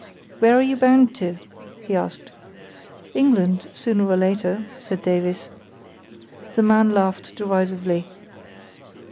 "Where are you bound to?" he asked. "England—sooner or later," said Davies. The man laughed derisively.